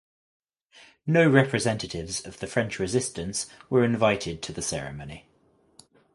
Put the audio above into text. No representatives of the French Resistance were invited to the ceremony.